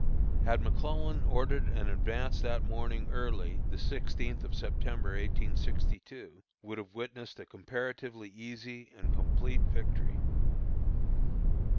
Had McClellan ordered an advance that morning early, the sixteenth of September, 1862, would have witnessed a comparatively easy and complete victory.